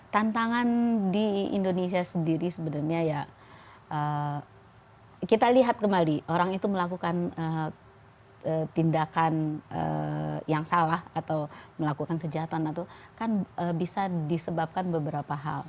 tantangan di indonesia sendiri sebenarnya ya kita lihat kembali orang itu melakukan tindakan yang salah atau melakukan kejahatan itu kan bisa disebabkan beberapa hal